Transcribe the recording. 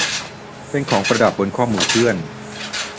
เป็นของประดับบนข้อมือเพื่อน